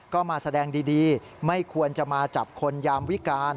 ก็มาแสดงดีไม่ควรจะมาจับคนยามวิการ